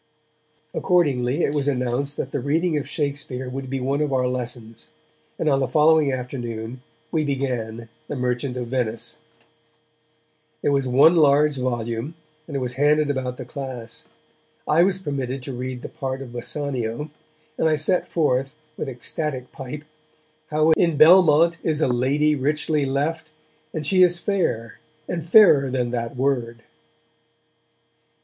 Accordingly, it was announced that the reading of Shakespeare would be one of our lessons, and on the following afternoon we began The Merchant of Venice. There was one large volume, and it was handed about the class; I was permitted to read the part of Bassanio, and I set forth, with ecstatic pipe, how In Belmont is a lady richly left, And she is fair, and fairer than that word!